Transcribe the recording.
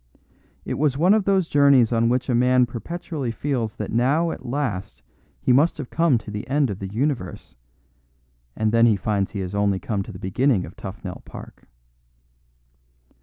It was one of those journeys on which a man perpetually feels that now at last he must have come to the end of the universe, and then finds he has only come to the beginning of Tufnell Park.